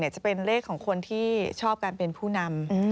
จะเป็นเลขของคนที่ชอบการเป็นผู้นำ